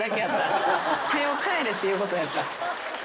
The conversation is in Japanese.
早う帰れっていうことやった。